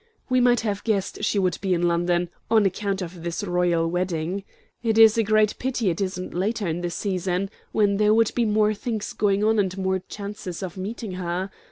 "We might have guessed she would be in London, on account of this royal wedding. It is a great pity it isn't later in the season, when there would be more things going on and more chances of meeting her.